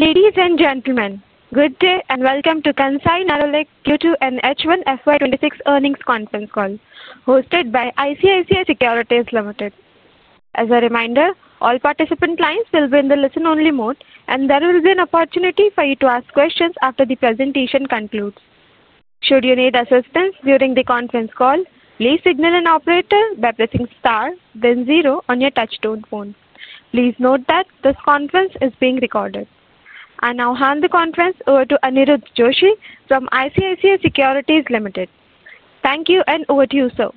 Ladies and gentlemen, good day and welcome to Kansai Nerolac Q2 and H1FY26 earnings conference call, hosted by ICICI Securities Limited. As a reminder, all participant lines will be in the listen-only mode, and there will be an opportunity for you to ask questions after the presentation concludes. Should you need assistance during the conference call, please signal an operator by pressing *, then 0 on your touchtone phone. Please note that this conference is being recorded. I now hand the conference over to Anirud Joshi from ICICI Securities Limited. Thank you, and over to you, sir.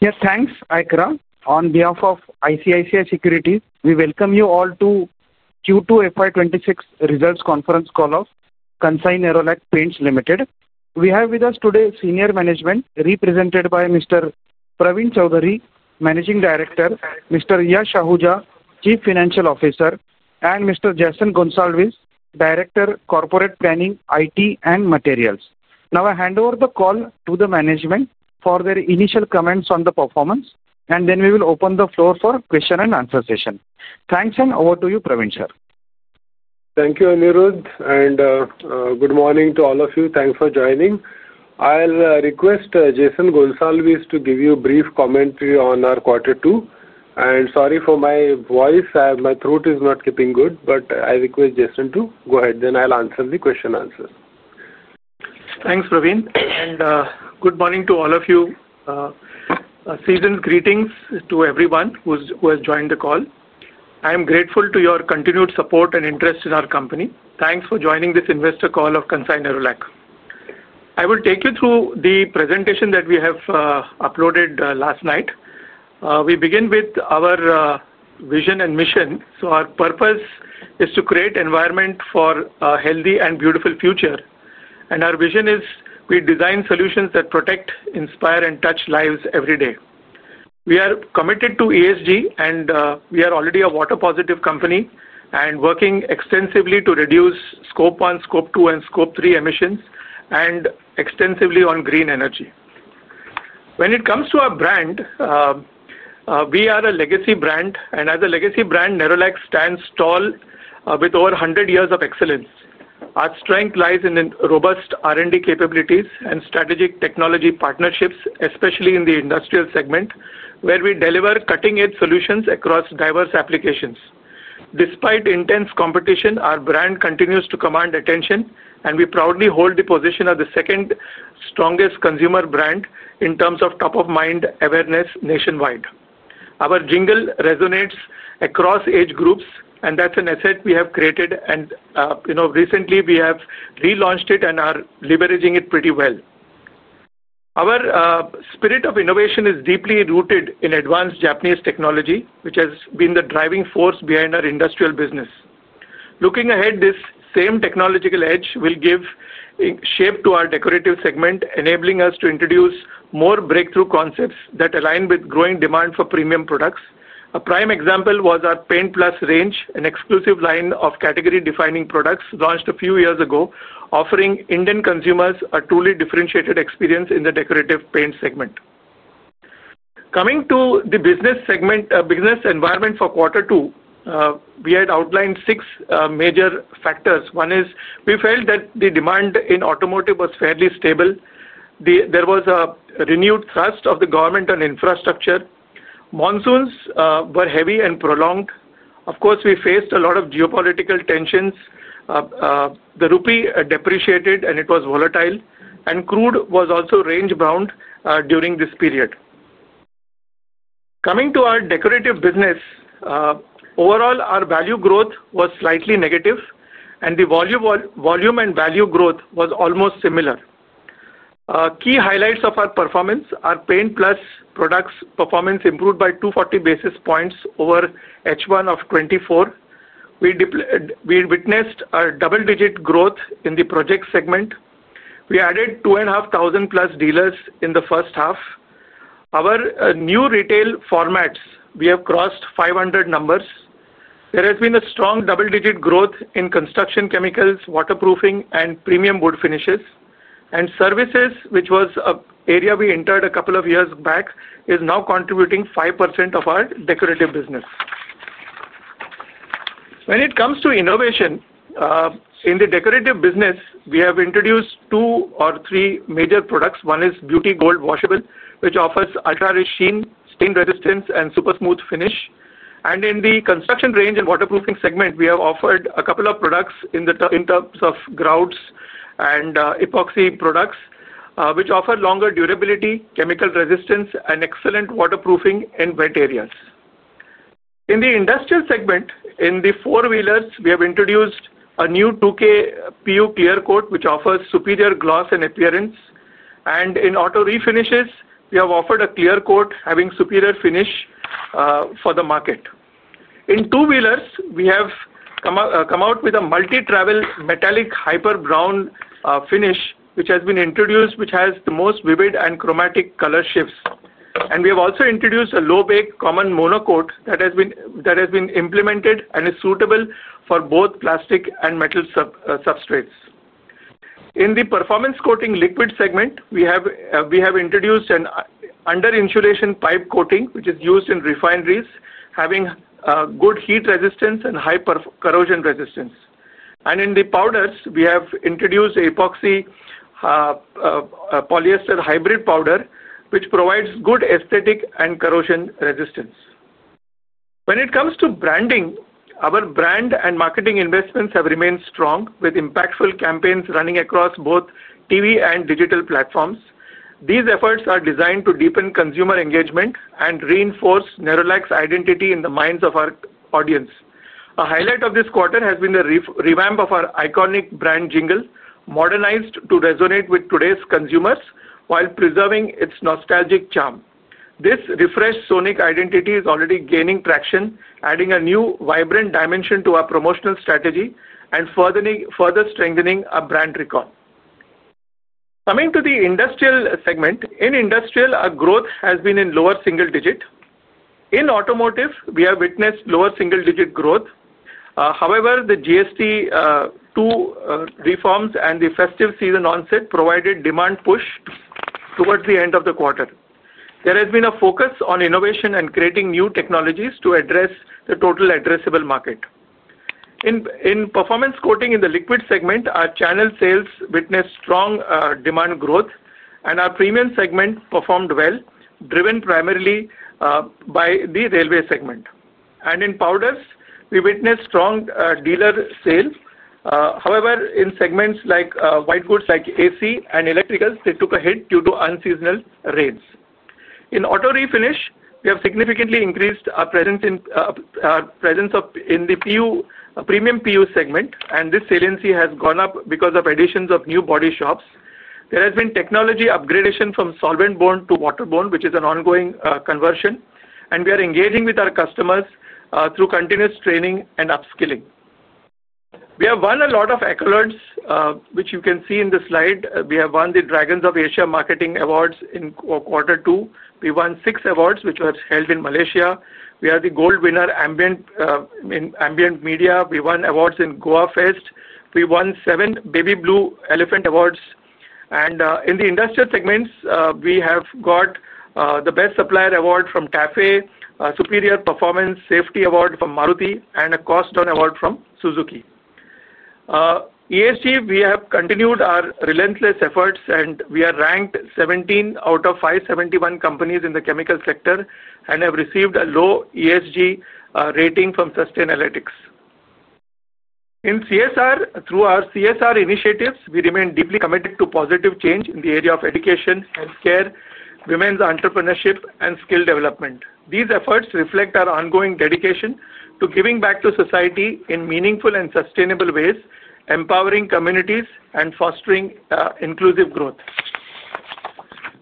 Yes, thanks, Aykra. On behalf of ICICI Securities, we welcome you all to Q2 FY2026 results conference call of Kansai Nerolac Paints Limited. We have with us today senior management, represented by Mr. Pravin Chaudhari, Managing Director, Mr. Yash Ahuja, Chief Financial Officer, and Mr. Jason Gonsalves, Director, Corporate Planning, IT, and Materials. Now, I hand over the call to the management for their initial comments on the performance, and then we will open the floor for question and answer session. Thanks, and over to you, Pravin sir. Thank you, Anirud, and good morning to all of you. Thanks for joining. I'll request Jason Gonsalves to give you a brief commentary on our quarter two. Sorry for my voice; my throat is not keeping good, but I request Jason to go ahead, then I'll answer the question and answer. Thanks, Pravin, and good morning to all of you. Seasoned greetings to everyone who has joined the call. I am grateful to your continued support and interest in our company. Thanks for joining this investor call of Kansai Nerolac Paints Limited. I will take you through the presentation that we have uploaded last night. We begin with our vision and mission. Our purpose is to create an environment for a healthy and beautiful future. Our vision is we design solutions that protect, inspire, and touch lives every day. We are committed to ESG, and we are already a water-positive company and working extensively to reduce scope one, scope two, and scope three emissions, and extensively on green energy. When it comes to our brand, we are a legacy brand, and as a legacy brand, Nerolac stands tall with over 100 years of excellence. Our strength lies in robust R&D capabilities and strategic technology partnerships, especially in the industrial segment, where we deliver cutting-edge solutions across diverse applications. Despite intense competition, our brand continues to command attention, and we proudly hold the position of the second strongest consumer brand in terms of top-of-mind awareness nationwide. Our jingle resonates across age groups, and that is an asset we have created, and recently we have relaunched it and are leveraging it pretty well. Our spirit of innovation is deeply rooted in advanced Japanese technology, which has been the driving force behind our industrial business. Looking ahead, this same technological edge will give shape to our decorative segment, enabling us to introduce more breakthrough concepts that align with growing demand for premium products. A prime example was our Paint Plus range, an exclusive line of category-defining products launched a few years ago, offering Indian consumers a truly differentiated experience in the decorative paint segment. Coming to the business environment for quarter two, we had outlined six major factors. One is we felt that the demand in automotive was fairly stable. There was a renewed thrust of the government on infrastructure. Monsoons were heavy and prolonged. Of course, we faced a lot of geopolitical tensions. The rupee depreciated, and it was volatile, and crude was also range-bound during this period. Coming to our decorative business, overall, our value growth was slightly negative, and the volume and value growth was almost similar. Key highlights of our performance are Paint Plus products' performance improved by 240 basis points over H1 of 2024. We witnessed a double-digit growth in the project segment. We added 2,500-plus dealers in the first half. Our new retail formats, we have crossed 500 numbers. There has been a strong double-digit growth in construction chemicals, waterproofing, and premium wood finishes. Services, which was an area we entered a couple of years back, is now contributing 5% of our decorative business. When it comes to innovation, in the decorative business, we have introduced two or three major products. One is Beauty Gold Washable, which offers ultra-reshine, stain-resistance, and super smooth finish. In the construction range and waterproofing segment, we have offered a couple of products in terms of grouts and epoxy products, which offer longer durability, chemical resistance, and excellent waterproofing in wet areas. In the industrial segment, in the four wheelers, we have introduced a new 2K PU clear coat, which offers superior gloss and appearance. In auto refinishes, we have offered a clear coat having superior finish for the market. In two wheelers, we have come out with a multi-travel metallic hyper brown finish, which has been introduced, which has the most vivid and chromatic color shifts. We have also introduced a low-bake common monocoat that has been implemented and is suitable for both plastic and metal substrates. In the performance coating liquid segment, we have introduced an under-insulation pipe coating, which is used in refineries, having good heat resistance and high corrosion resistance. In the powders, we have introduced epoxy polyester hybrid powder, which provides good aesthetic and corrosion resistance. When it comes to branding, our brand and marketing investments have remained strong with impactful campaigns running across both TV and digital platforms. These efforts are designed to deepen consumer engagement and reinforce Nerolac's identity in the minds of our audience. A highlight of this quarter has been the revamp of our iconic brand jingle, modernized to resonate with today's consumers while preserving its nostalgic charm. This refreshed sonic identity is already gaining traction, adding a new vibrant dimension to our promotional strategy and further strengthening our brand recall. Coming to the industrial segment, in industrial, our growth has been in lower single digit. In automotive, we have witnessed lower single digit growth. However, the GST 2 reforms and the festive season onset provided demand push towards the end of the quarter. There has been a focus on innovation and creating new technologies to address the total addressable market. In performance coating in the liquid segment, our channel sales witnessed strong demand growth, and our premium segment performed well, driven primarily by the railway segment. In powders, we witnessed strong dealer sales. However, in segments like white goods like AC and electricals, they took a hit due to unseasonal rains. In auto refinish, we have significantly increased our presence in the premium PU segment, and this saliency has gone up because of additions of new body shops. There has been technology upgradation from solvent-borne to waterborne, which is an ongoing conversion, and we are engaging with our customers through continuous training and upskilling. We have won a lot of accolades, which you can see in the slide. We have won the Dragons of Asia Marketing Awards in quarter two. We won six awards, which were held in Malaysia. We are the gold winner in ambient media. We won awards in Goa Fest. We won seven Baby Blue Elephant awards. In the industrial segments, we have got the Best Supplier award from TAFE, a Superior Performance Safety award from Maruti, and a Cost Down award from Suzuki. ESG, we have continued our relentless efforts, and we are ranked 17 out of 571 companies in the chemical sector and have received a low ESG rating from Sustainalytics. In CSR, through our CSR initiatives, we remain deeply committed to positive change in the area of education, healthcare, women's entrepreneurship, and skill development. These efforts reflect our ongoing dedication to giving back to society in meaningful and sustainable ways, empowering communities, and fostering inclusive growth.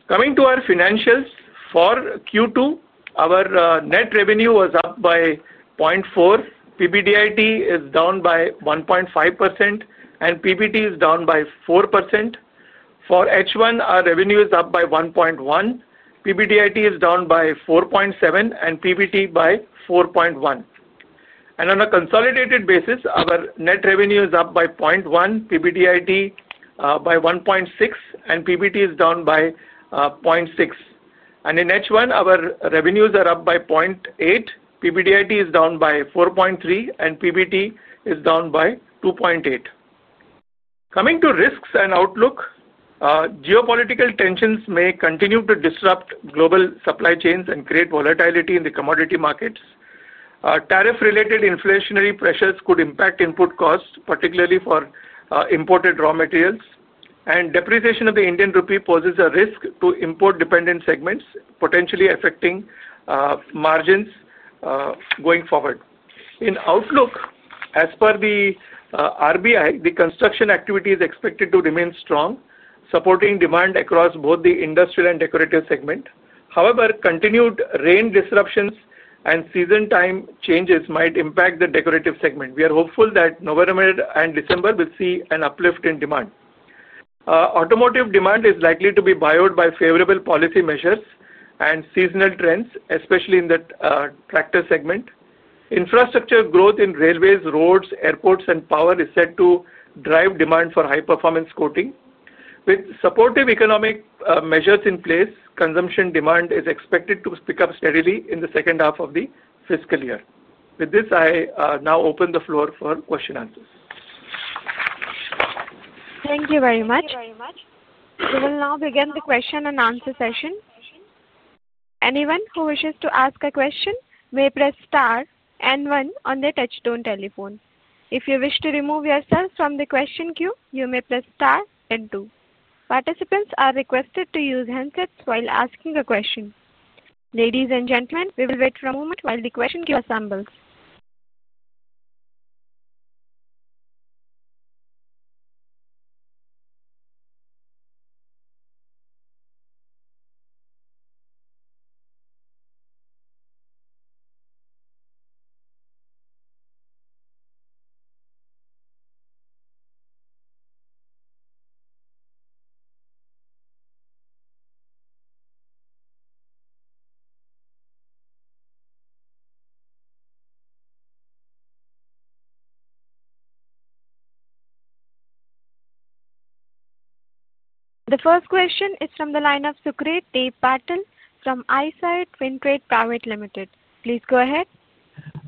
Coming to our financials, for Q2, our net revenue was up by 0.4%. PBDIT is down by 1.5%, and PBT is down by 4%. For H1, our revenue is up by 1.1%. PBDIT is down by 4.7%, and PBT by 4.1%. On a consolidated basis, our net revenue is up by 0.1%, PBDIT by 1.6%, and PBT is down by 0.6%. In H1, our revenues are up by 0.8%. PBDIT is down by 4.3%, and PBT is down by 2.8%. Coming to risks and outlook. Geopolitical tensions may continue to disrupt global supply chains and create volatility in the commodity markets. Tariff-related inflationary pressures could impact input costs, particularly for imported raw materials. Depreciation of the Indian rupee poses a risk to import-dependent segments, potentially affecting margins. Going forward, in outlook, as per the RBI, the construction activity is expected to remain strong, supporting demand across both the industrial and decorative segment. However, continued rain disruptions and season-time changes might impact the decorative segment. We are hopeful that November and December will see an uplift in demand. Automotive demand is likely to be bolstered by favorable policy measures and seasonal trends, especially in the tractor segment. Infrastructure growth in railways, roads, airports, and power is set to drive demand for high-performance coating. With supportive economic measures in place, consumption demand is expected to pick up steadily in the second half of the fiscal year. With this, I now open the floor for question and answers. Thank you very much. We will now begin the question and answer session. Anyone who wishes to ask a question may press * and 1 on their touchstone telephone. If you wish to remove yourself from the question queue, you may press * and 2. Participants are requested to use handsets while asking a question. Ladies and gentlemen, we will wait for a moment while the question queue assembles. The first question is from the line of Sukrit Dev Patil from ISI Twin Trade Private Limited. Please go ahead.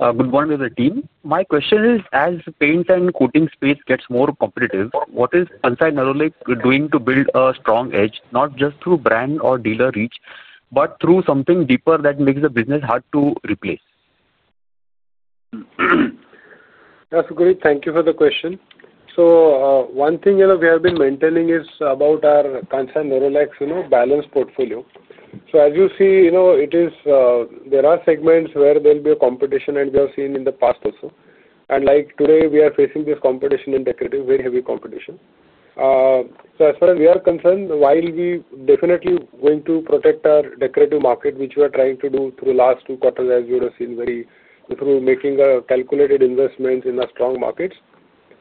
Good morning, team. My question is, as paint and coating space gets more competitive, what is Kansai Nerolac Paints Limited doing to build a strong edge, not just through brand or dealer reach, but through something deeper that makes the business hard to replace? Sukrit, thank you for the question. One thing we have been maintaining is about our Kansai Nerolac balance portfolio. As you see, there are segments where there will be competition, and we have seen in the past also. Like today, we are facing this competition in decorative, very heavy competition. As far as we are concerned, while we are definitely going to protect our decorative market, which we are trying to do through the last two quarters, as you would have seen, through making calculated investments in our strong markets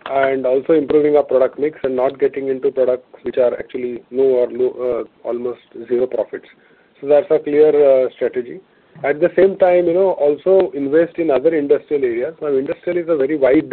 and also improving our product mix and not getting into products which are actually no or almost zero profits. That is our clear strategy. At the same time, also invest in other industrial areas. Now, industrial is a very wide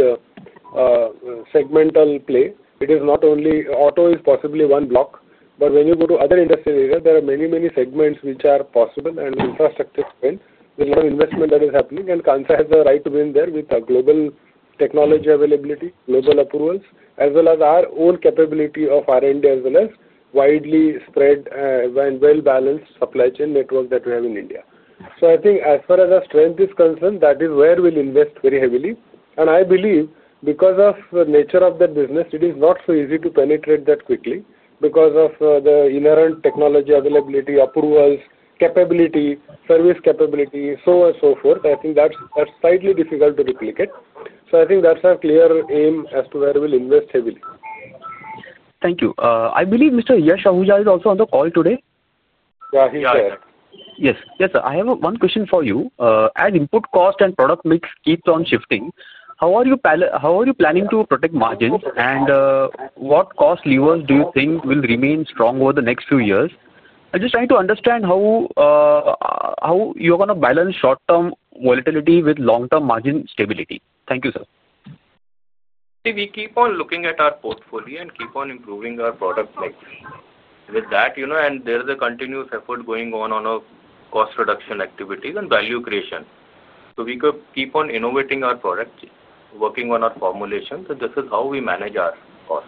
segmental play. It is not only auto is possibly one block, but when you go to other industrial areas, there are many, many segments which are possible and infrastructure. There is a lot of investment that is happening, and Kansai has the right to win there with our global technology availability, global approvals, as well as our own capability of R&D, as well as widely spread and well-balanced supply chain network that we have in India. I think as far as our strength is concerned, that is where we will invest very heavily. I believe, because of the nature of the business, it is not so easy to penetrate that quickly because of the inherent technology availability, approvals, capability, service capability, so on and so forth. I think that is slightly difficult to replicate. I think that is our clear aim as to where we will invest heavily. Thank you. I believe Mr. Yash Ahuja is also on the call today. Yeah, he's there. Yes. Yes, sir. I have one question for you. As input cost and product mix keeps on shifting, how are you planning to protect margins and what cost levers do you think will remain strong over the next few years? I'm just trying to understand how you're going to balance short-term volatility with long-term margin stability. Thank you, sir. We keep on looking at our portfolio and keep on improving our product mix. With that, there is a continuous effort going on on our cost reduction activities and value creation. We could keep on innovating our product, working on our formulation, and this is how we manage our cost.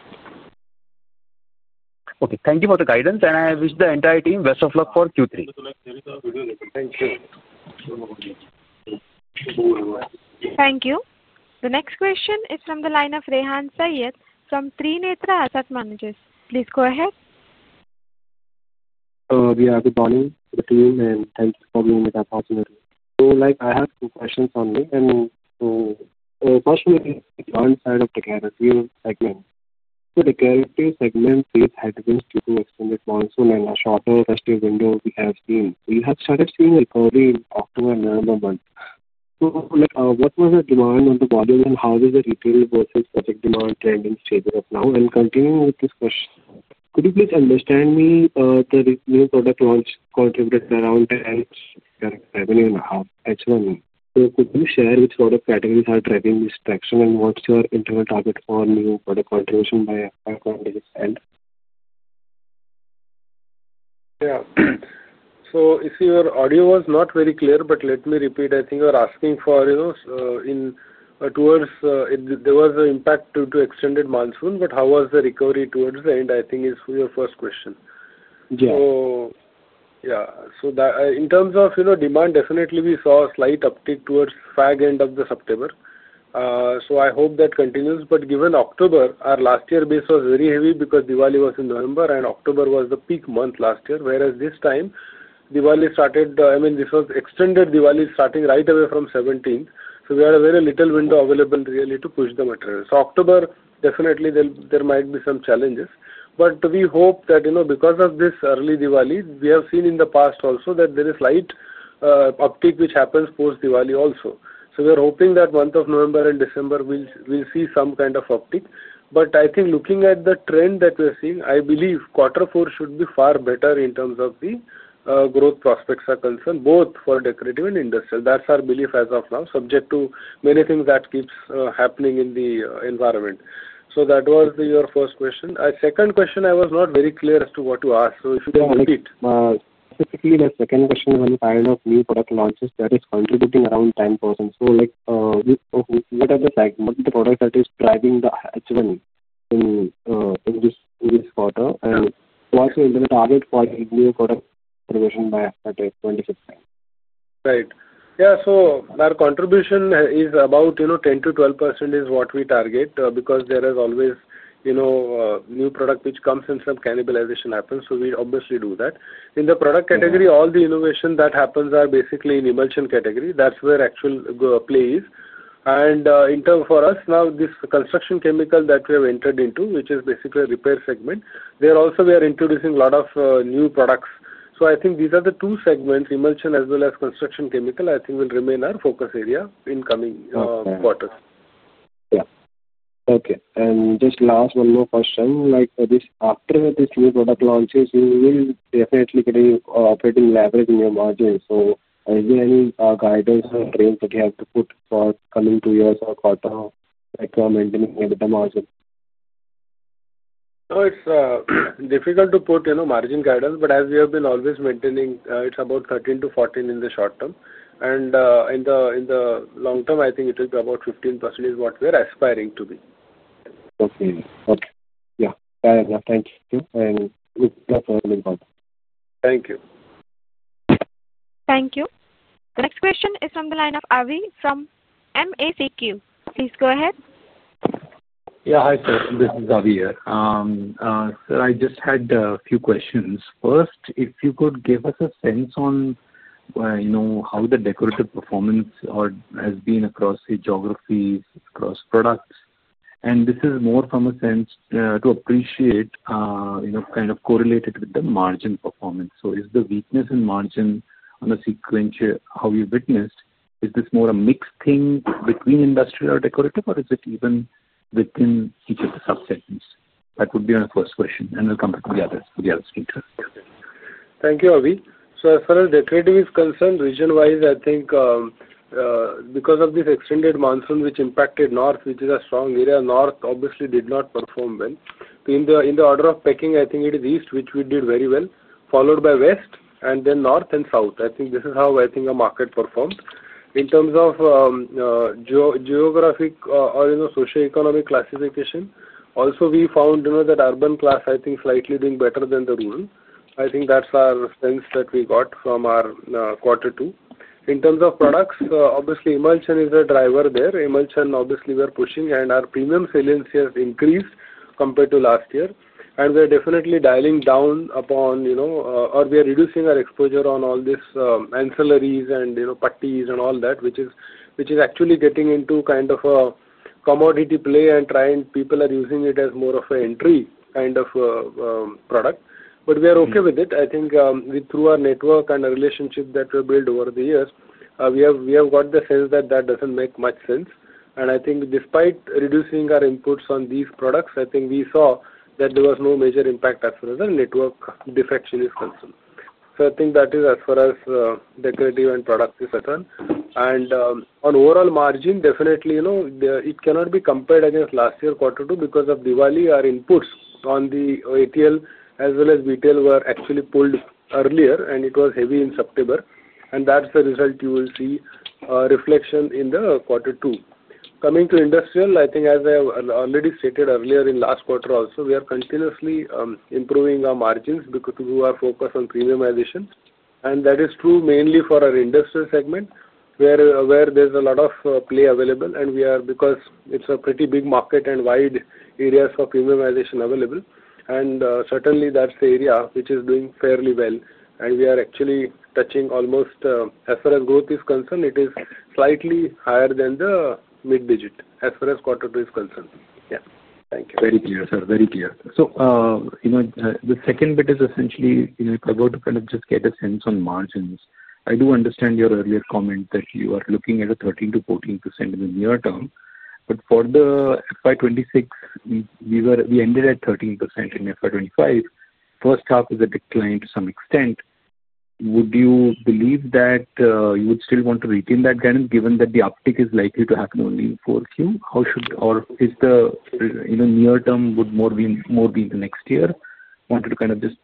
Okay. Thank you for the guidance, and I wish the entire team best of luck for Q3. Thank you. Thank you. The next question is from the line of Rehan Syed from Trinetra Asset Managers. Please go ahead. Yeah, good morning, team, and thank you for being with us. I have two questions only. First, it will be on the one side of the decorative segment. The decorative segment is headed into an extended monsoon and a shorter resting window we have seen. We have started seeing a recovery in October and November months. What was the demand on the volume, and how is the retail versus project demand trending as of now? Continuing with this question, could you please help me understand? The new product launch contributed around 10% revenue in the H1. Could you share which product categories are driving this traction, and what's your internal target for new product contribution by FY 2025? Yeah. So your audio was not very clear, but let me repeat. I think you're asking for, towards there was an impact due to extended monsoon, but how was the recovery towards the end? I think is your first question. Yeah. Yeah. In terms of demand, definitely we saw a slight uptick towards the fag end of September. I hope that continues. Given October, our last-year base was very heavy because Diwali was in November, and October was the peak month last year, whereas this time, Diwali started—I mean, this was extended Diwali starting right away from 17th. We had a very little window available, really, to push the material. October, definitely, there might be some challenges. We hope that because of this early Diwali, we have seen in the past also that there is a slight uptick which happens post-Diwali also. We are hoping that the month of November and December, we'll see some kind of uptick. I think looking at the trend that we are seeing, I believe Q4 should be far better in terms of the growth prospects are concerned, both for decorative and industrial. That's our belief as of now, subject to many things that keep happening in the environment. That was your first question. Second question, I was not very clear as to what to ask. If you can repeat. Specifically, the second question is on the side of new product launches that is contributing around 10%. What are the products that are driving the H1 in this quarter? What's the target for new product provision by 2015? Right. Yeah. Our contribution is about 10%-12% is what we target because there is always new product which comes in, some cannibalization happens. We obviously do that. In the product category, all the innovation that happens is basically in emulsion category. That's where actual play is. In terms for us, now this construction chemical that we have entered into, which is basically a repair segment, there also we are introducing a lot of new products. I think these are the two segments, emulsion as well as construction chemical, I think will remain our focus area in coming quarters. Yeah. Okay. Just last one more question. After this new product launches, you will definitely get any operating leverage in your margin. Is there any guidance or trend that you have to put for coming two years or quarter, like you are maintaining with the margin? No, it's difficult to put margin guidance, but as we have been always maintaining, it's about 13%-14% in the short term. In the long term, I think it will be about 15% is what we are aspiring to be. Okay. Okay. Yeah. Thank you. Good luck for the quarter. Thank you. Thank you. The next question is from the line of Avi from MACQ. Please go ahead. Yeah. Hi, sir. This is Avi here. Sir, I just had a few questions. First, if you could give us a sense on how the decorative performance has been across geographies, across products. This is more from a sense to appreciate, kind of correlated with the margin performance. Is the weakness in margin on a sequential, how you witnessed, is this more a mixed thing between industrial or decorative, or is it even within each of the subsegments? That would be my first question. I will come back to the other speakers. Thank you, Avi. As far as decorative is concerned, region-wise, I think because of this extended monsoon which impacted North, which is a strong area, North obviously did not perform well. In the order of pecking, I think it is East, which we did very well, followed by West, and then North and South. I think this is how I think our market performed. In terms of geographic or socioeconomic classification, also we found that urban class, I think, slightly doing better than the rural. I think that is our sense that we got from our quarter two. In terms of products, obviously, emulsion is a driver there. Emulsion, obviously, we are pushing, and our premium saliency has increased compared to last year. We are definitely dialing down upon or we are reducing our exposure on all these ancillaries and patties and all that, which is actually getting into kind of a commodity play and people are using it as more of an entry kind of product. We are okay with it. I think through our network and the relationship that we have built over the years, we have got the sense that that does not make much sense. I think despite reducing our inputs on these products, we saw that there was no major impact as far as the network defection is concerned. I think that is as far as decorative and product is concerned. On overall margin, definitely, it cannot be compared against last year quarter two because of Diwali, our inputs on the ATL as well as BTL were actually pulled earlier, and it was heavy in September. That is the result you will see a reflection in the quarter two. Coming to industrial, I think, as I have already stated earlier in last quarter also, we are continuously improving our margins because we are focused on premiumization. That is true mainly for our industrial segment, where there is a lot of play available. Because it is a pretty big market and wide areas of premiumization available, certainly, that is the area which is doing fairly well. We are actually touching almost as far as growth is concerned, it is slightly higher than the mid-digit as far as quarter two is concerned. Yeah. Thank you. Very clear, sir. Very clear. The second bit is essentially, if I were to kind of just get a sense on margins, I do understand your earlier comment that you are looking at a 13%-14% in the near term. For FY 2026, we ended at 13% in FY 2025. First half is a decline to some extent. Would you believe that you would still want to retain that guidance given that the uptick is likely to happen only in Q4? How should or is the near term would more be the next year? Wanted to kind of just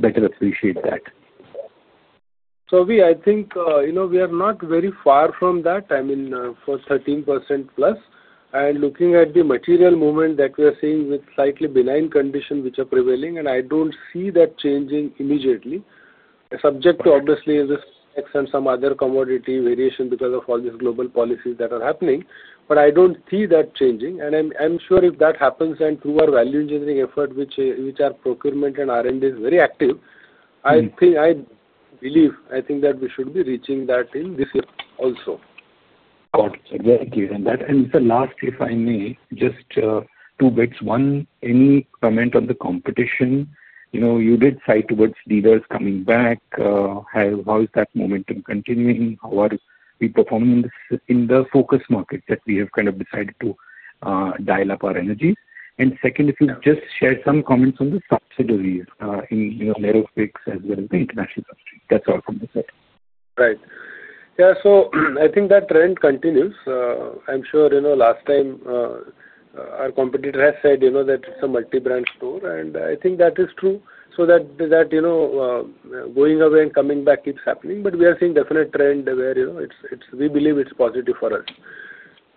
better appreciate that. Avi, I think we are not very far from that. I mean, for 13% plus. Looking at the material movement that we are seeing with slightly benign condition which are prevailing, I do not see that changing immediately. Subject to, obviously, this X and some other commodity variation because of all these global policies that are happening. I do not see that changing. I am sure if that happens and through our value engineering effort, which our procurement and R&D is very active, I believe I think that we should be reaching that in this year also. Got it. Exactly. Last, if I may, just two bits. One, any comment on the competition? You did cite towards dealers coming back. How is that momentum continuing? How are we performing in the focus markets that we have kind of decided to dial up our energies? Second, if you just share some comments on the subsidiaries in aerospace as well as the international subsidiaries. That's all from my side. Right. Yeah. I think that trend continues. I'm sure last time our competitor has said that it's a multi-brand store. I think that is true. That going away and coming back keeps happening. We are seeing a definite trend where we believe it's positive for us.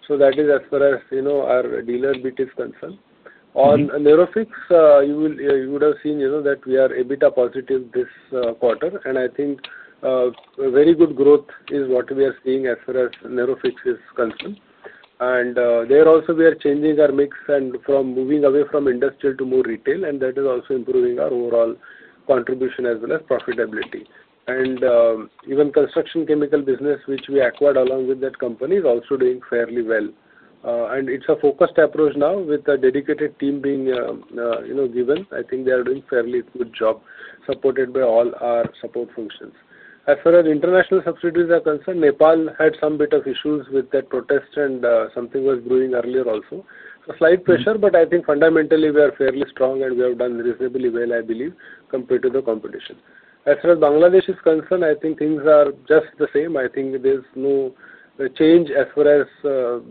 That is as far as our dealer bit is concerned. On AeroFix, you would have seen that we are a bit positive this quarter. I think very good growth is what we are seeing as far as AeroFix is concerned. There also, we are changing our mix and moving away from industrial to more retail. That is also improving our overall contribution as well as profitability. Even the construction chemical business, which we acquired along with that company, is also doing fairly well. It's a focused approach now with a dedicated team being given. I think they are doing a fairly good job supported by all our support functions. As far as international subsidiaries are concerned, Nepal had some bit of issues with that protest and something was brewing earlier also. Slight pressure, but I think fundamentally we are fairly strong and we have done reasonably well, I believe, compared to the competition. As far as Bangladesh is concerned, I think things are just the same. I think there's no change as far as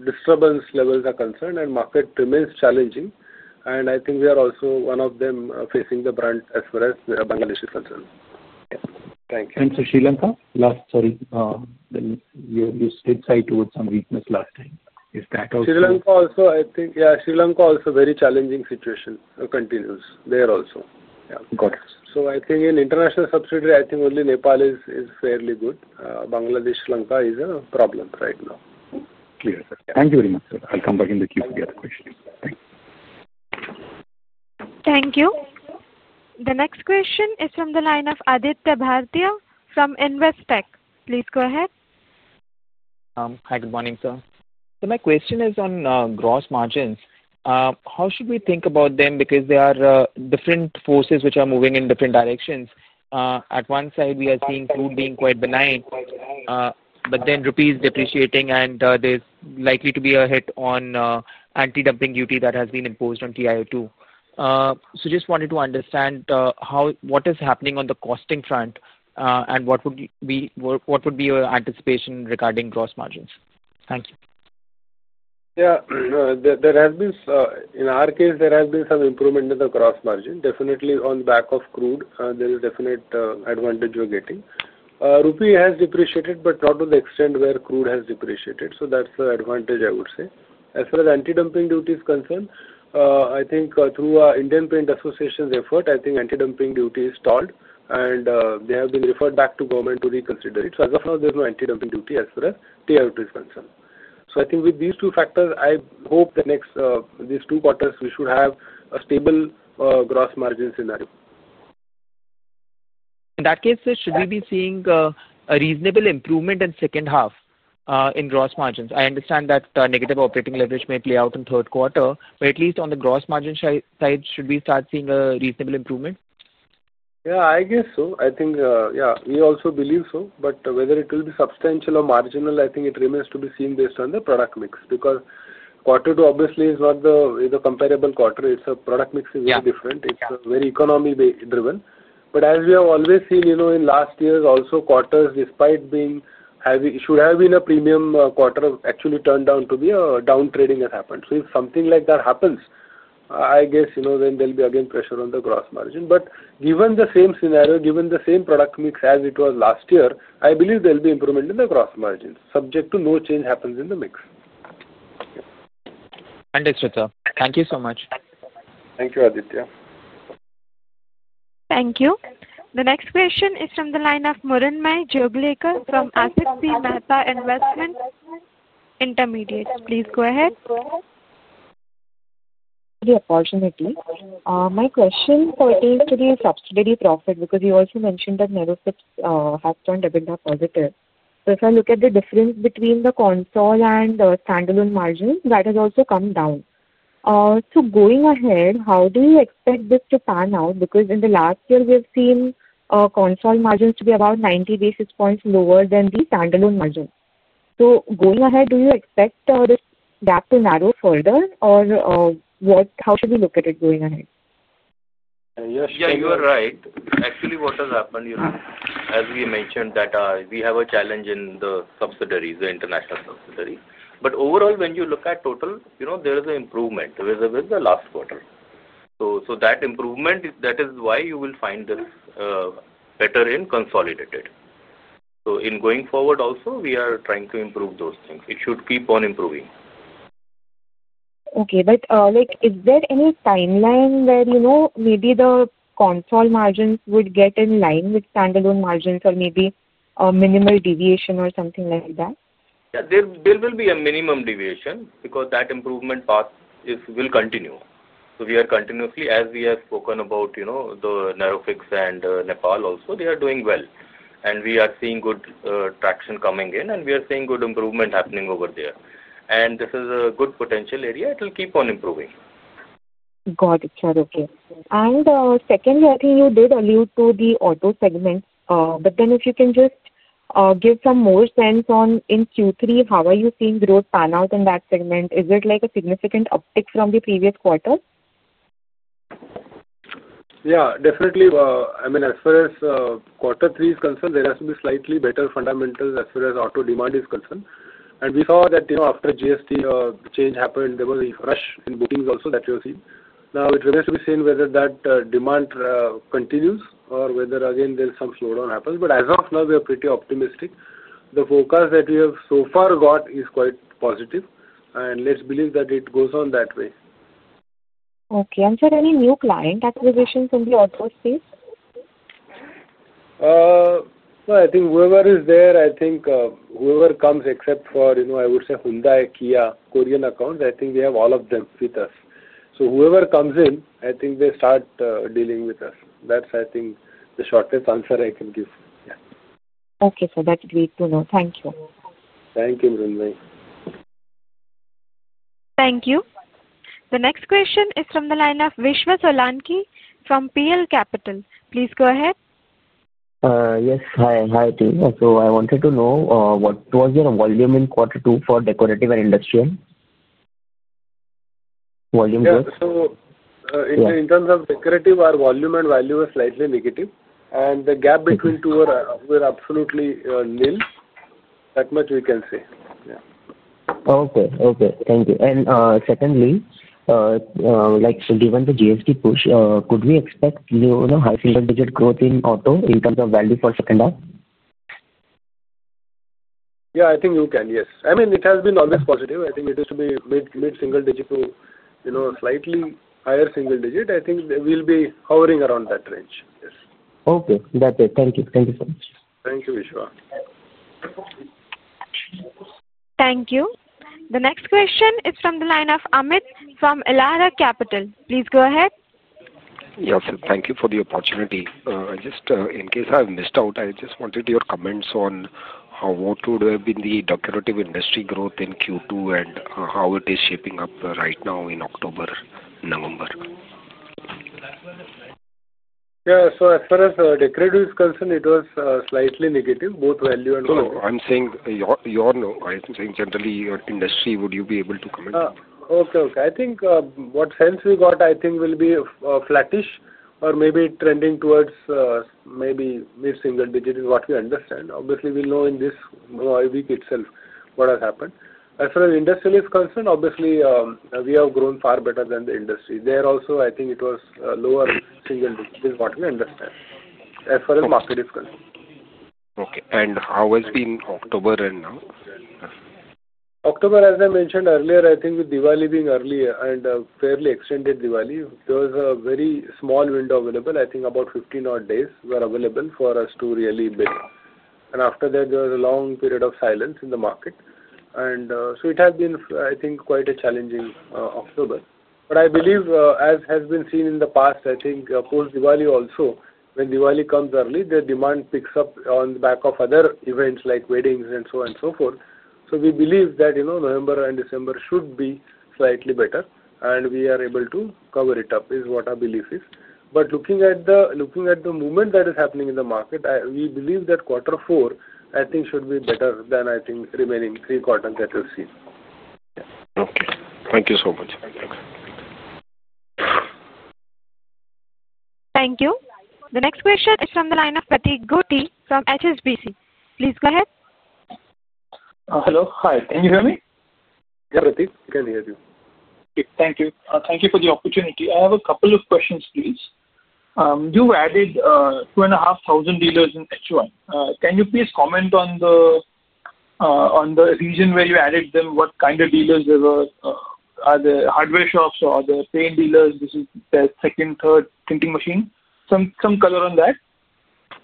disturbance levels are concerned and the market remains challenging. I think we are also one of them facing the brunt as far as Bangladesh is concerned. Yeah. Thank you. For Sri Lanka, last time, sorry, you did cite towards some weakness last time. Is that also? Sri Lanka also, I think yeah, Sri Lanka also very challenging situation continues there also. Yeah. Got it. I think in international subsidiary, I think only Nepal is fairly good. Bangladesh, Sri Lanka is a problem right now. Clear, sir. Thank you very much, sir. I'll come back in the Q&A questions. Thank you. Thank you. The next question is from the line of Aditya Bharatiya from Investec. Please go ahead. Hi, good morning, sir. My question is on gross margins. How should we think about them? There are different forces which are moving in different directions. On one side, we are seeing crude being quite benign. Rupees are depreciating, and there is likely to be a hit on anti-dumping duty that has been imposed on TIO2. I just wanted to understand what is happening on the costing front and what would be your anticipation regarding gross margins. Thank you. Yeah. In our case, there has been some improvement in the gross margin. Definitely on the back of crude, there is definite advantage we're getting. Rupee has depreciated, but not to the extent where crude has depreciated. That is the advantage, I would say. As far as anti-dumping duty is concerned, I think through our Indian Paint Association's effort, I think anti-dumping duty is stalled. They have been referred back to government to reconsider it. As of now, there is no anti-dumping duty as far as TIO2 is concerned. I think with these two factors, I hope the next these two quarters, we should have a stable gross margin scenario. In that case, sir, should we be seeing a reasonable improvement in the second half in gross margins? I understand that negative operating leverage may play out in the third quarter, but at least on the gross margin side, should we start seeing a reasonable improvement? Yeah, I guess so. I think, yeah, we also believe so. But whether it will be substantial or marginal, I think it remains to be seen based on the product mix. Because quarter two, obviously, is not the comparable quarter. Its product mix is very different. It's very economy-driven. But as we have always seen in last years, also quarters, despite being, should have been a premium quarter, actually turned out to be a downtrading has happened. If something like that happens, I guess then there'll be again pressure on the gross margin. Given the same scenario, given the same product mix as it was last year, I believe there'll be improvement in the gross margins, subject to no change happens in the mix. Fantastic, sir. Thank you so much. Thank you, Aditya. Thank you. The next question is from the line of Mrunmayee Jogalekar from Asit C Mehta Investment. Intermediate. Please go ahead. Yeah, fortunately. My question pertains to the subsidiary profit because you also mentioned that AeroFix has turned a bit positive. If I look at the difference between the console and standalone margins, that has also come down. Going ahead, how do you expect this to pan out? In the last year, we have seen console margins to be about 90 basis points lower than the standalone margins. Going ahead, do you expect this gap to narrow further, or how should we look at it going ahead? Yeah, you are right. Actually, what has happened is, as we mentioned, that we have a challenge in the subsidiaries, the international subsidiaries. Overall, when you look at total, there is an improvement with the last quarter. That improvement, that is why you will find this. Better in consolidated. In going forward also, we are trying to improve those things. It should keep on improving. Okay. Is there any timeline where maybe the console margins would get in line with standalone margins or maybe a minimal deviation or something like that? Yeah, there will be a minimum deviation because that improvement path will continue. We are continuously, as we have spoken about the AeroFix and Nepal also, they are doing well. We are seeing good traction coming in, and we are seeing good improvement happening over there. This is a good potential area. It will keep on improving. Got it, sir. Okay. Secondly, I think you did allude to the auto segment. If you can just give some more sense on in Q3, how are you seeing growth pan out in that segment? Is it like a significant uptick from the previous quarter? Yeah, definitely. I mean, as far as quarter three is concerned, there has to be slightly better fundamentals as far as auto demand is concerned. We saw that after GST change happened, there was a rush in bookings also that we have seen. Now, it remains to be seen whether that demand continues or whether, again, some slowdown happens. As of now, we are pretty optimistic. The focus that we have so far got is quite positive. Let's believe that it goes on that way. Okay. Sir, any new client acquisitions in the auto space? I think whoever is there, I think whoever comes except for, I would say, Hyundai, Kia, Korean accounts, I think we have all of them with us. So whoever comes in, I think they start dealing with us. That's, I think, the shortest answer I can give. Yeah. Okay, sir. That's great to know. Thank you. Thank you, Mrunmayee. Thank you. The next question is from the line of Vishwa Solanki from PL Capital. Please go ahead. Yes. Hi, team. I wanted to know what was your volume in quarter two for decorative and industrial? Volume growth? Yeah. In terms of decorative, our volume and value are slightly negative. The gap between the two was absolutely nil. That much we can say. Yeah. Okay. Okay. Thank you. Secondly, given the GST push, could we expect high single-digit growth in auto in terms of value for the second half? Yeah, I think you can. Yes. I mean, it has been always positive. I think it used to be mid-single digit to slightly higher single digit. I think we'll be hovering around that range. Yes. Okay. That's it. Thank you. Thank you so much. Thank you, Vishwa. Thank you. The next question is from the line of Amit from Elara Capital. Please go ahead. Yes, sir. Thank you for the opportunity. Just in case I missed out, I just wanted your comments on what would have been the decorative industry growth in Q2 and how it is shaping up right now in October, November. Yeah. As far as decorative is concerned, it was slightly negative, both value and volume. I'm saying your no. I'm saying generally your industry, would you be able to comment? Okay. Okay. I think what sense we got, I think, will be flattish or maybe trending towards maybe mid-single digit is what we understand. Obviously, we'll know in this week itself what has happened. As far as industrial is concerned, obviously, we have grown far better than the industry. There also, I think it was lower single digit is what we understand. As far as market is concerned. Okay. How has been October and now? October, as I mentioned earlier, I think with Diwali being early and a fairly extended Diwali, there was a very small window available. I think about 15-odd days were available for us to really build. After that, there was a long period of silence in the market. It has been, I think, quite a challenging October. I believe, as has been seen in the past, post-Diwali also, when Diwali comes early, the demand picks up on the back of other events like weddings and so on and so forth. We believe that November and December should be slightly better. We are able to cover it up is what our belief is. Looking at the movement that is happening in the market, we believe that quarter four should be better than the remaining three quarters that we've seen. Okay. Thank you so much. Thank you. Thank you. The next question is from the line of Pratik Gothi from HSBC. Please go ahead. Hello. Hi. Can you hear me? Yeah, Pratik. We can hear you. Okay. Thank you. Thank you for the opportunity. I have a couple of questions, please. You've added 2,500 dealers in HY. Can you please comment on the region where you added them, what kind of dealers they were? Are they hardware shops or are they paint dealers? This is their second, third printing machine. Some color on that.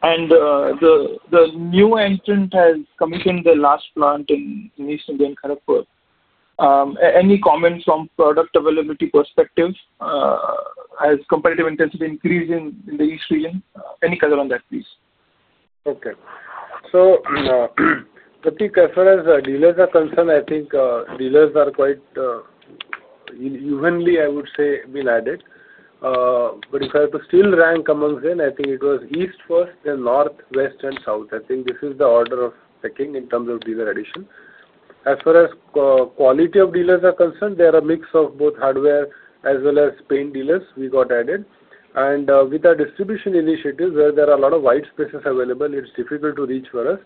The new entrant has commissioned the last plant in East India in Kharagpur. Any comments from a product availability perspective? Has competitive intensity increased in the East region? Any color on that, please? Okay. So, Pratik, as far as dealers are concerned, I think dealers are quite evenly, I would say, well added. If I have to still rank amongst them, I think it was East first, then North, West, and South. I think this is the order of picking in terms of dealer addition. As far as quality of dealers is concerned, they are a mix of both hardware as well as paint dealers we got added. With our distribution initiatives, where there are a lot of white spaces available, it is difficult to reach for us.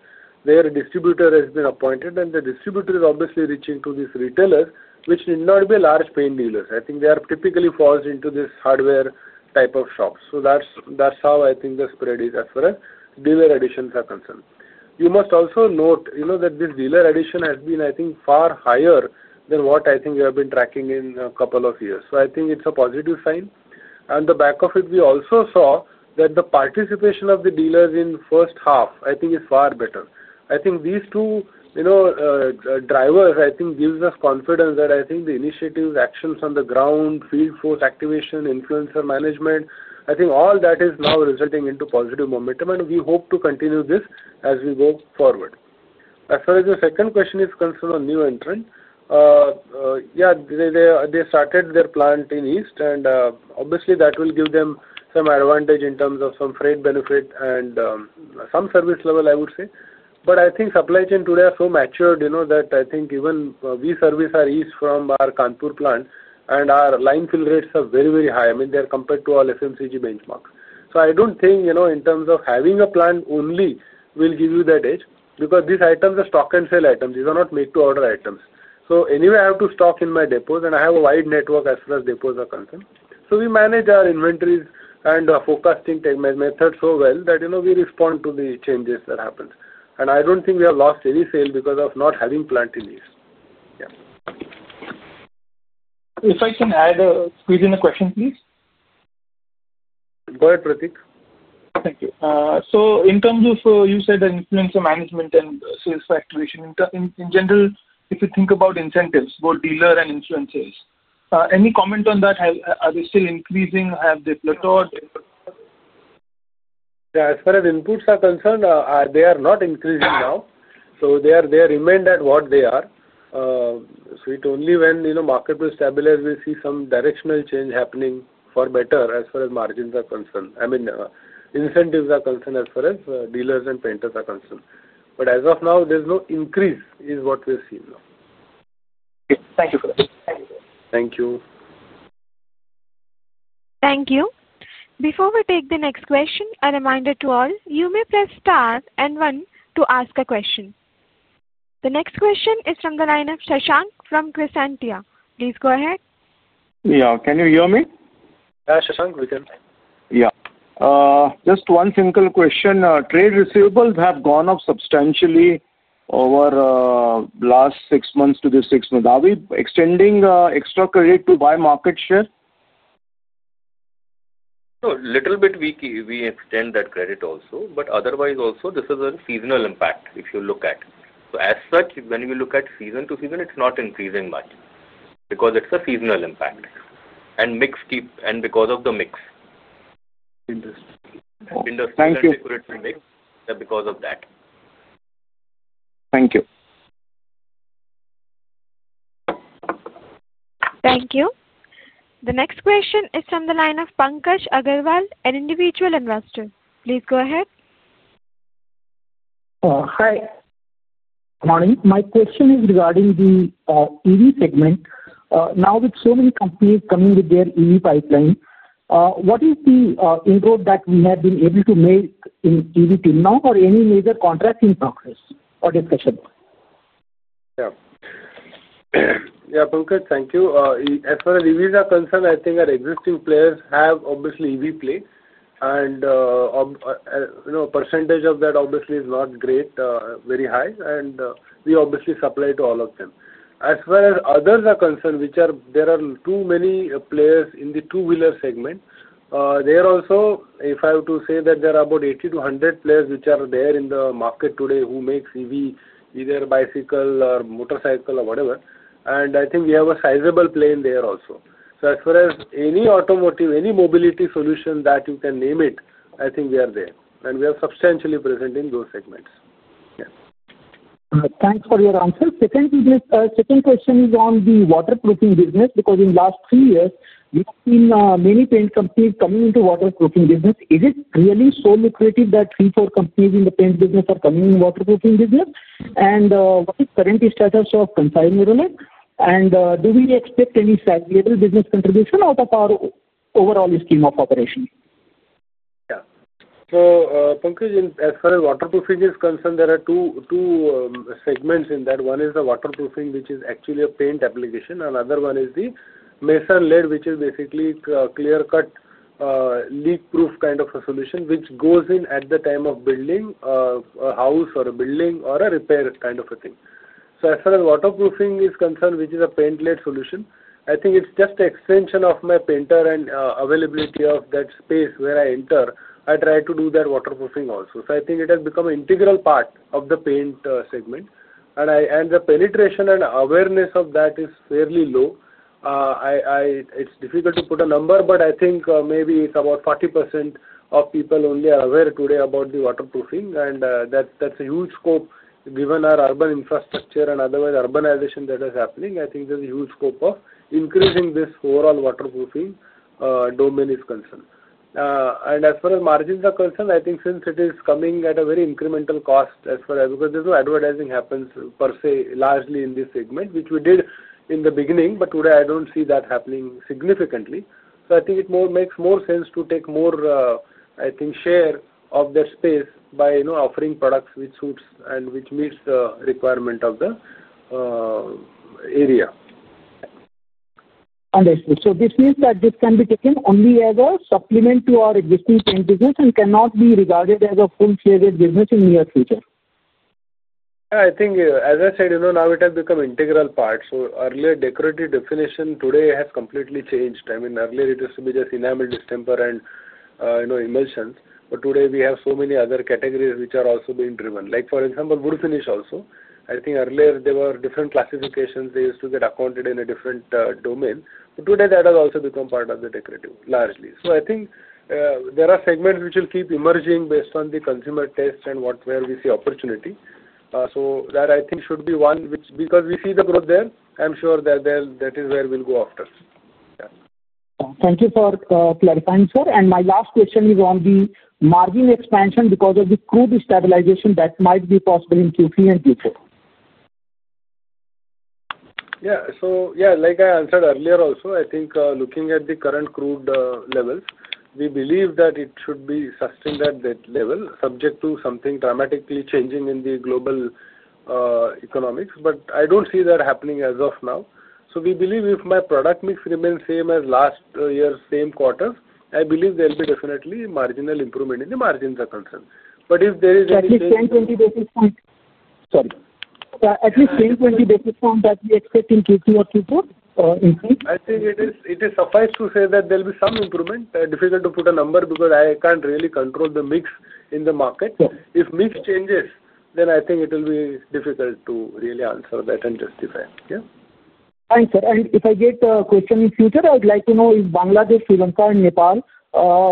Their distributor has been appointed, and the distributor is obviously reaching to these retailers, which need not be large paint dealers. I think they typically fall into this hardware type of shops. That is how I think the spread is as far as dealer additions are concerned. You must also note that this dealer addition has been, I think, far higher than what I think we have been tracking in a couple of years. I think it is a positive sign. On the back of it, we also saw that the participation of the dealers in the first half, I think, is far better. I think these two drivers, I think, give us confidence that the initiatives, actions on the ground, field force activation, influencer management, all that is now resulting into positive momentum. We hope to continue this as we go forward. As far as the second question is concerned on new entrant, yeah, they started their plant in East, and obviously, that will give them some advantage in terms of some freight benefit and some service level, I would say. I think supply chain today is so matured that even we service our East from our Kanpur plant, and our line fill rates are very, very high. I mean, they are compared to all FMCG benchmarks. I do not think in terms of having a plant only will give you that edge, because these items are stock and sale items. These are not made-to-order items. Anyway, I have to stock in my depots, and I have a wide network as far as depots are concerned. We manage our inventories and focusing tech methods so well that we respond to the changes that happen. I do not think we have lost any sale because of not having plant in East. Yeah. If I can add a squeeze in a question, please. Go ahead, Pratik. Thank you. In terms of you said influencer management and sales activation, in general, if you think about incentives, both dealer and influencers, any comment on that? Are they still increasing? Have they plateaued? Yeah. As far as inputs are concerned, they are not increasing now. So they remain at what they are. It is only when market will stabilize, we'll see some directional change happening for better as far as margins are concerned. I mean, incentives are concerned as far as dealers and painters are concerned. As of now, there's no increase is what we've seen now. Okay. Thank you for that. Thank you. Thank you. Before we take the next question, a reminder to all, you may press star and one to ask a question. The next question is from the line of Shashank from Krisantia. Please go ahead. Yeah. Can you hear me? Yeah, Shashank, we can. Yeah. Just one simple question. Trade receivables have gone up substantially over the last six months to this six months. Are we extending extra credit to buy market share? A little bit we extend that credit also. Otherwise, also, this is a seasonal impact, if you look at. As such, when we look at season to season, it's not increasing much because it's a seasonal impact. And because of the mix. Interesting. Industry sales for it to mix because of that. Thank you. Thank you. The next question is from the line of Pankaj Agarwal, an individual investor. Please go ahead. Hi. Good morning. My question is regarding the EV segment. Now, with so many companies coming with their EV pipeline, what is the input that we have been able to make in EV team now or any major contracts in progress or discussion? Yeah. Yeah, Pankaj, thank you. As far as EVs are concerned, I think our existing players have obviously EV play. Percentage of that obviously is not great, very high. We obviously supply to all of them. As far as others are concerned, there are too many players in the two-wheeler segment. There also, if I have to say that there are about 80-100 players which are there in the market today who make EV, either bicycle or motorcycle or whatever. I think we have a sizable play in there also. As far as any automotive, any mobility solution that you can name it, I think we are there. We are substantially present in those segments. Yeah. Thanks for your answer. Second question is on the waterproofing business because in the last three years, we have seen many paint companies coming into waterproofing business. Is it really so lucrative that three, four companies in the paint business are coming in waterproofing business? What is currently the status of consignment? Do we expect any sizable business contribution out of our overall scheme of operation? Yeah. So Pankaj, as far as waterproofing is concerned, there are two segments in that. One is the waterproofing, which is actually a paint application. Another one is the mason laid, which is basically a clear-cut, leak-proof kind of a solution which goes in at the time of building a house or a building or a repair kind of a thing. As far as waterproofing is concerned, which is a paint-led solution, I think it's just an extension of my painter and availability of that space where I enter. I try to do that waterproofing also. I think it has become an integral part of the paint segment. The penetration and awareness of that is fairly low. It's difficult to put a number, but I think maybe it's about 40% of people only are aware today about the waterproofing. That's a huge scope given our urban infrastructure and otherwise urbanization that is happening. I think there's a huge scope of increasing this overall waterproofing domain is concerned. As far as margins are concerned, I think since it is coming at a very incremental cost because there's no advertising happens per se largely in this segment, which we did in the beginning, but today I don't see that happening significantly. I think it makes more sense to take more, I think, share of that space by offering products which suits and which meets the requirement of the area. Understood. So this means that this can be taken only as a supplement to our existing paint business and cannot be regarded as a full-shaded business in the near future. Yeah. I think, as I said, now it has become an integral part. Earlier, decorative definition today has completely changed. I mean, earlier, it used to be just enamel, distemper, and emulsions. Today, we have so many other categories which are also being driven. Like for example, wood finish also. I think earlier, there were different classifications. They used to get accounted in a different domain. Today, that has also become part of the decorative largely. I think there are segments which will keep emerging based on the consumer test and where we see opportunity. That, I think, should be one which because we see the growth there, I'm sure that is where we'll go after. Yeah. Thank you for clarifying, sir. My last question is on the margin expansion because of the crude stabilization that might be possible in Q3 and Q4. Yeah. So yeah, like I answered earlier also, I think looking at the current crude levels, we believe that it should be sustained at that level subject to something dramatically changing in the global economics. But I do not see that happening as of now. So we believe if my product mix remains the same as last year's same quarters, I believe there will be definitely marginal improvement in the margins are concerned. But if there is an increase. At least 10-20 basis points. Sorry. At least 10-20 basis points that we expect in Q2 or Q4 increase? I think it is suffice to say that there will be some improvement. Difficult to put a number because I can't really control the mix in the market. If mix changes, then I think it will be difficult to really answer that and justify. Yeah. Thanks, sir. If I get a question in future, I would like to know if Bangladesh, Sri Lanka, and Nepal,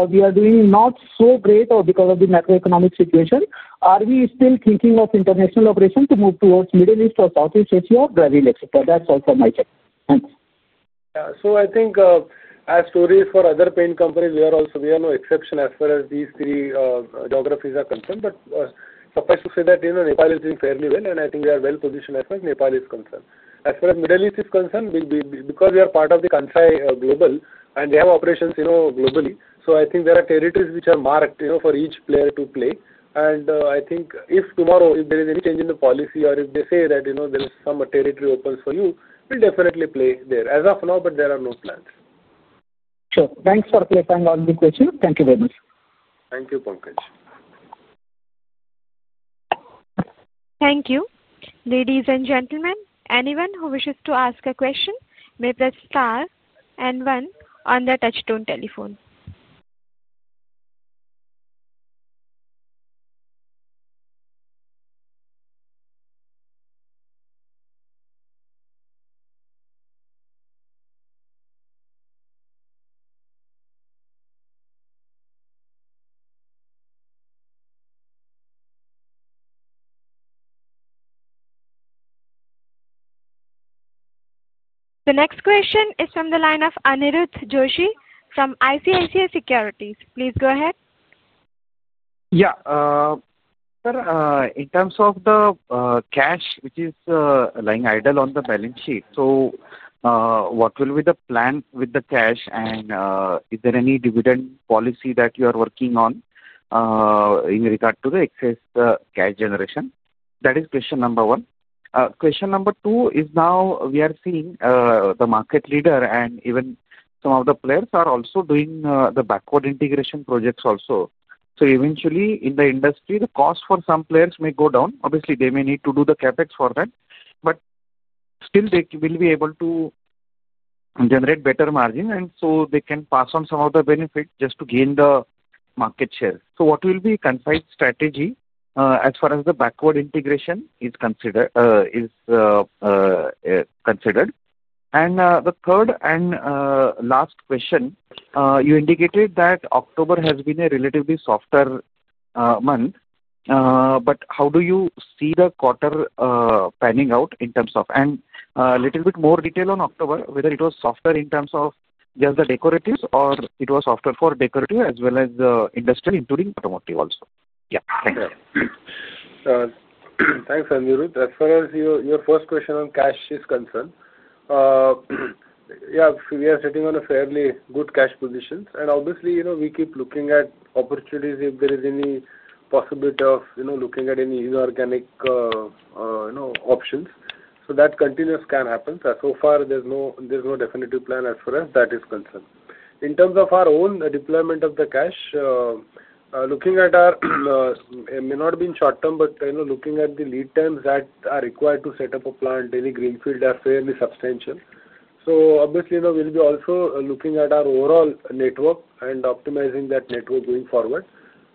we are doing not so great or because of the macroeconomic situation, are we still thinking of international operation to move towards Middle East or Southeast Asia or Brazil, etc.? That's also my check. Thanks. Yeah. So I think as stories for other paint companies, we are also exception as far as these three geographies are concerned. Suffice to say that Nepal is doing fairly well, and I think they are well positioned as far as Nepal is concerned. As far as Middle East is concerned, because we are part of the Kansai global, and they have operations globally. I think there are territories which are marked for each player to play. I think if tomorrow, if there is any change in the policy or if they say that there is some territory opens for you, we will definitely play there. As of now, there are no plans. Sure. Thanks for clarifying all the questions. Thank you very much. Thank you, Pankaj. Thank you. Ladies and gentlemen, anyone who wishes to ask a question may press * and 1 on the touchstone telephone. The next question is from the line of Anirud Joshi from ICICI Securities. Please go ahead. Yeah. Sir, in terms of the cash, which is lying idle on the balance sheet, what will be the plan with the cash, and is there any dividend policy that you are working on in regard to the excess cash generation? That is question number one. Question number two is now we are seeing the market leader and even some of the players are also doing the backward integration projects also. Eventually, in the industry, the cost for some players may go down. Obviously, they may need to do the CapEx for that. Still, they will be able to generate better margin, and so they can pass on some of the benefits just to gain the market share. What will be the confined strategy as far as the backward integration is considered? And the third and last question, you indicated that October has been a relatively softer month. How do you see the quarter panning out in terms of, and a little bit more detail on October, whether it was softer in terms of just the decoratives or it was softer for decorative as well as the industry, including automotive also? Yeah. Thanks. Thanks, Aniruj. As far as your first question on cash is concerned, we are sitting on a fairly good cash position. Obviously, we keep looking at opportunities if there is any possibility of looking at any inorganic options. That continuous scan happens. So far, there's no definitive plan as far as that is concerned. In terms of our own deployment of the cash, looking at our, it may not be in short term, but looking at the lead times that are required to set up a plant, daily greenfield are fairly substantial. Obviously, we'll be also looking at our overall network and optimizing that network going forward.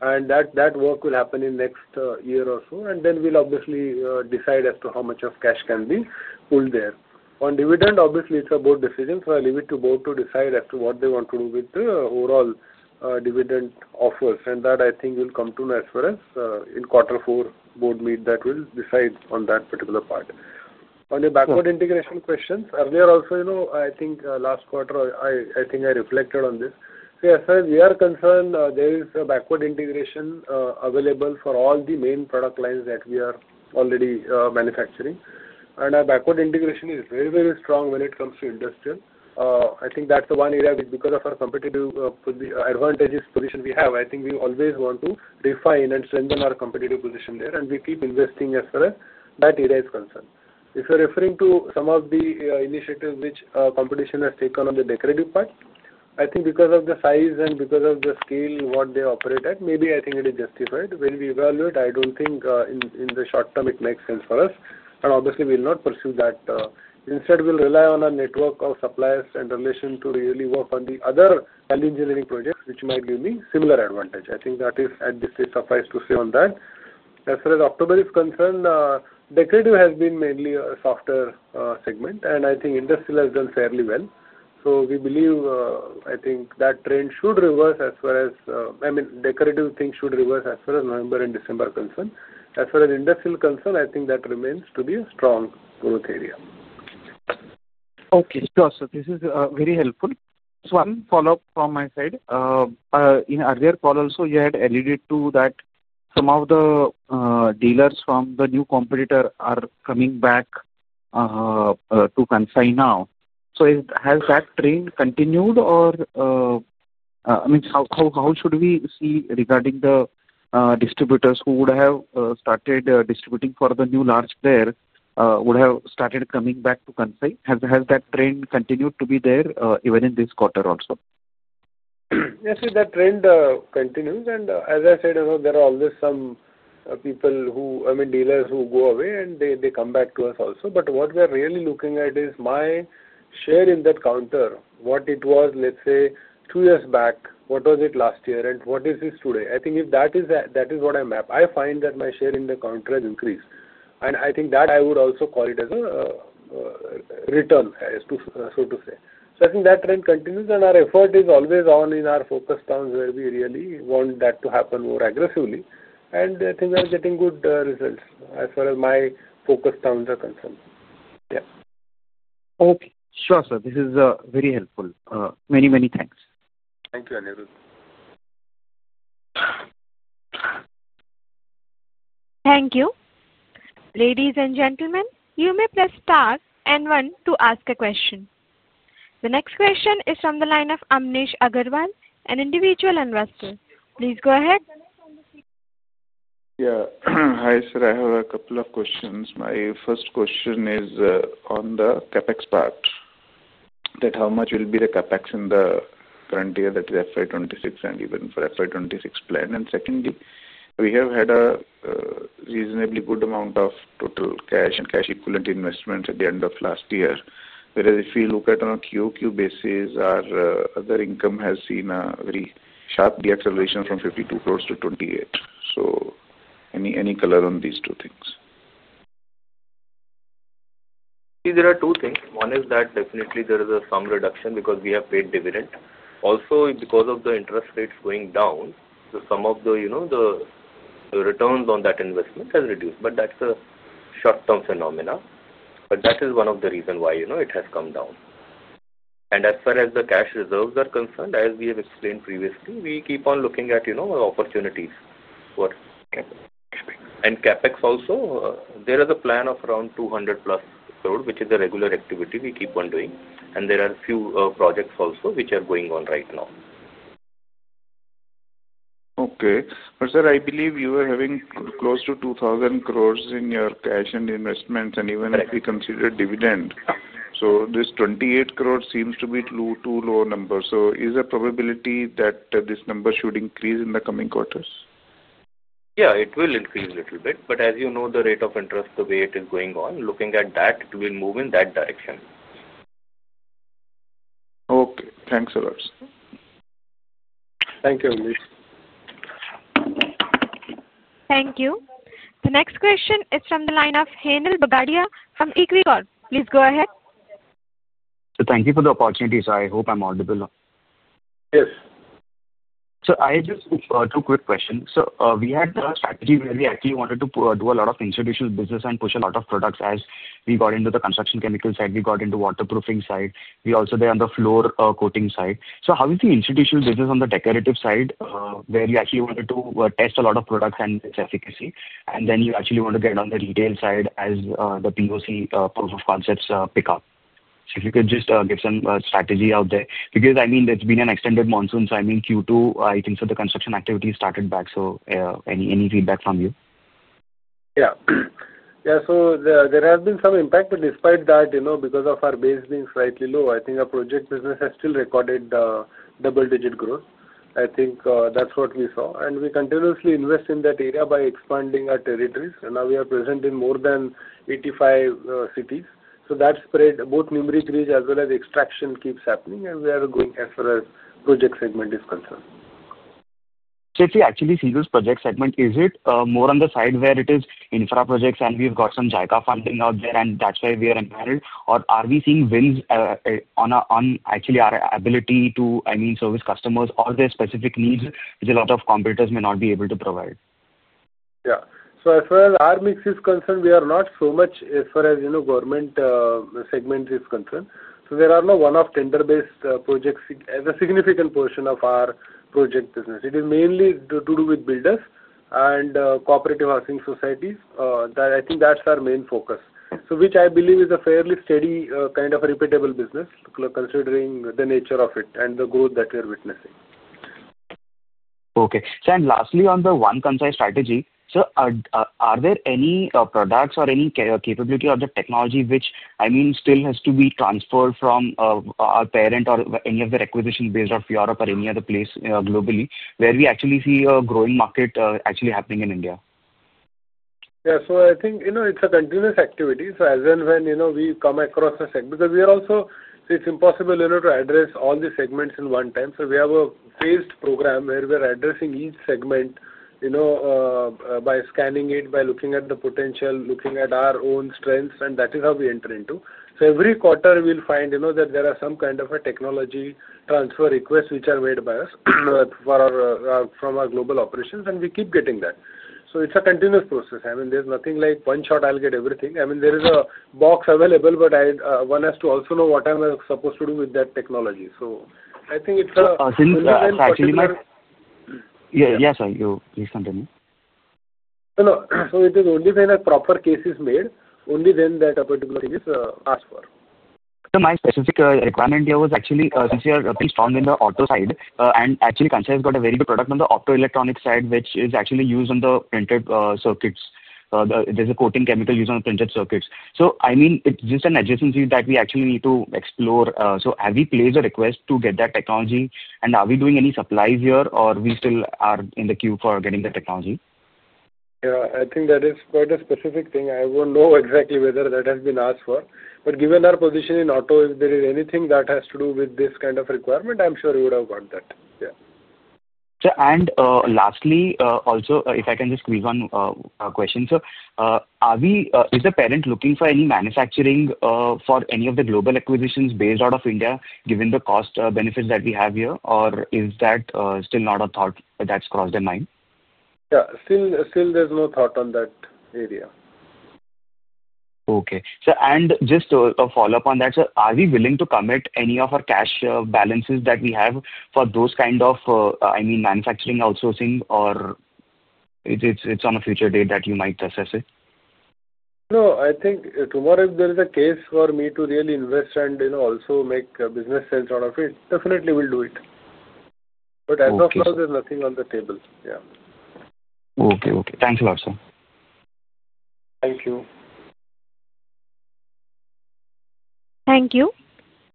That work will happen in the next year or so. Then we'll obviously decide as to how much of cash can be pulled there. On dividend, obviously, it's a board decision. I leave it to board to decide as to what they want to do with the overall dividend offers. That, I think, will come to as far as in quarter four board meet that will decide on that particular part. On the backward integration questions, earlier also, I think last quarter, I think I reflected on this. As far as we are concerned, there is a backward integration available for all the main product lines that we are already manufacturing. Our backward integration is very, very strong when it comes to industrial. I think that's the one area which, because of our competitive advantageous position we have, I think we always want to refine and strengthen our competitive position there. We keep investing as far as that area is concerned. If you're referring to some of the initiatives which competition has taken on the decorative part, I think because of the size and because of the scale what they operate at, maybe I think it is justified. When we evaluate, I don't think in the short term it makes sense for us. Obviously, we'll not pursue that. Instead, we'll rely on our network of suppliers and relation to really work on the other value engineering projects which might give me similar advantage. I think that is, at this stage, suffice to say on that. As far as October is concerned, decorative has been mainly a softer segment. I think industrial has done fairly well. We believe, I think that trend should reverse as far as, I mean, decorative things should reverse as far as November and December are concerned. As far as industrial is concerned, I think that remains to be a strong growth area. Okay. Sure. This is very helpful. One follow-up from my side. In earlier call also, you had alluded to that some of the dealers from the new competitor are coming back to Kansai now. Has that trend continued, or, I mean, how should we see regarding the distributors who would have started distributing for the new large player, would have started coming back to Kansai? Has that trend continued to be there even in this quarter also? Yes, that trend continues. As I said, there are always some people who, I mean, dealers who go away, and they come back to us also. What we are really looking at is my share in that counter. What it was, let's say, two years back, what was it last year, and what is this today? I think if that is what I map, I find that my share in the counter has increased. I think that I would also call it as a return, so to say. I think that trend continues. Our effort is always on in our focus towns where we really want that to happen more aggressively. I think we are getting good results as far as my focus towns are concerned. Yeah. Okay. Sure, sir. This is very helpful. Many, many thanks. Thank you, Anirud. Thank you. Ladies and gentlemen, you may press star and one to ask a question. The next question is from the line of Amnesh Agarwal, an individual investor. Please go ahead. Yeah. Hi, sir. I have a couple of questions. My first question is on the CapEx part. That how much will be the CapEx in the current year, that is FY2026, and even for FY2026 plan? Secondly, we have had a reasonably good amount of total cash and cash equivalent investment at the end of last year. Whereas if we look at on a QOQ basis, our other income has seen a very sharp deacceleration from 520 million to 280 million. Any color on these two things? See, there are two things. One is that definitely there is some reduction because we have paid dividend. Also, because of the interest rates going down, some of the returns on that investment have reduced. That is a short-term phenomena. That is one of the reasons why it has come down. As far as the cash reserves are concerned, as we have explained previously, we keep on looking at opportunities. CapEx also, there is a plan of around 200 crore-plus, which is a regular activity we keep on doing. There are a few projects also which are going on right now. Okay. Sir, I believe you are having close to 2,000 crore in your cash and investments and even if we consider dividend. This 28 crore seems to be too low a number. Is there a probability that this number should increase in the coming quarters? Yeah, it will increase a little bit. As you know, the rate of interest, the way it is going on, looking at that, it will move in that direction. Okay. Thanks, sir. Thank you, Amnesh. Thank you. The next question is from the line of Henil Bagadia from Equicorp. Please go ahead. Thank you for the opportunity. I hope I'm audible. Yes. I had just two quick questions. We had a strategy where we actually wanted to do a lot of institutional business and push a lot of products as we got into the construction chemical side, we got into waterproofing side, we also did on the floor coating side. How is the institutional business on the decorative side where you actually wanted to test a lot of products and its efficacy? Then you actually want to get on the retail side as the POC proof of concepts pick up. If you could just give some strategy out there. I mean, it's been an extended monsoon. I mean, Q2, I think the construction activity started back. Any feedback from you? Yeah. Yeah. There has been some impact. Despite that, because of our base being slightly low, I think our project business has still recorded double-digit growth. I think that's what we saw. We continuously invest in that area by expanding our territories. Now we are present in more than 85 cities. That is spread both Nimri Creek as well as extraction keeps happening. We are going as far as project segment is concerned. If we actually see those project segment, is it more on the side where it is infra projects and we've got some JICA funding out there and that's why we are empowered? Or are we seeing wins on actually our ability to, I mean, service customers or their specific needs which a lot of competitors may not be able to provide? Yeah. As far as our mix is concerned, we are not so much as far as government segment is concerned. There are no one-off tender-based projects as a significant portion of our project business. It is mainly to do with builders and cooperative housing societies. I think that's our main focus, which I believe is a fairly steady kind of repeatable business considering the nature of it and the growth that we are witnessing. Okay. Lastly, on the one consign strategy, sir, are there any products or any capability or the technology which, I mean, still has to be transferred from our parent or any of the requisition based off Europe or any other place globally where we actually see a growing market actually happening in India? Yeah. I think it's a continuous activity. As and when we come across a segment, because we are also, it's impossible to address all the segments at one time. We have a phased program where we are addressing each segment by scanning it, by looking at the potential, looking at our own strengths. That is how we enter into it. Every quarter, you'll find that there are some kind of technology transfer requests which are made by us from our global operations, and we keep getting that. It's a continuous process. I mean, there's nothing like one shot I'll get everything. There is a box available, but one has to also know what I'm supposed to do with that technology. I think it's a. Since then, actually, my— Yeah, sorry. You please continue. No. It is only when a proper case is made, only then that a particular thing is asked for. My specific requirement here was actually since we are pretty strong in the auto side. Actually, Kansai has got a very good product on the auto electronics side, which is actually used on the printed circuits. There is a coating chemical used on the printed circuits. I mean, it is just an adjacency that we actually need to explore. Have we placed a request to get that technology? Are we doing any supplies here, or are we still in the queue for getting the technology? Yeah. I think that is quite a specific thing. I will not know exactly whether that has been asked for. Given our position in auto, if there is anything that has to do with this kind of requirement, I am sure we would have got that. Yeah. Lastly, also, if I can just squeeze one question. Is the parent looking for any manufacturing for any of the global acquisitions based out of India, given the cost benefits that we have here? Or is that still not a thought that's crossed their mind? Yeah. Still, there's no thought on that area. Okay. Just a follow-up on that, sir, are we willing to commit any of our cash balances that we have for those kind of, I mean, manufacturing outsourcing, or is it on a future date that you might assess it? No. I think tomorrow, if there is a case for me to really invest and also make business sense out of it, definitely we'll do it. As of now, there's nothing on the table. Yeah. Okay. Okay. Thanks a lot, sir. Thank you. Thank you.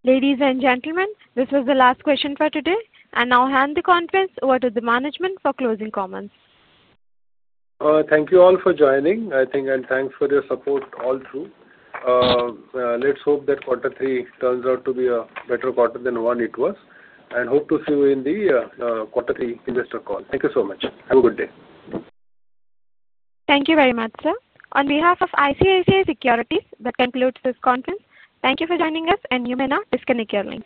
Ladies and gentlemen, this was the last question for today. I will hand the conference over to the management for closing comments. Thank you all for joining, I think, and thanks for your support all through. Let's hope that quarter three turns out to be a better quarter than one it was. Hope to see you in the quarter three investor call. Thank you so much. Have a good day. Thank you very much, sir. On behalf of ICICI Securities, that concludes this conference. Thank you for joining us, and you may now disconnect your line.